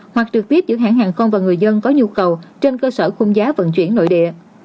hoặc trực tiếp giữa hãng hàng không và người dân có nhu cầu trên cơ sở khung giá vận chuyển nội địa